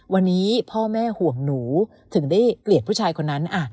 วันนี้พ่อแม่ห่วงหนูถึงได้เกลียดผู้ชายคนนั้น